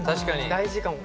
大事かも。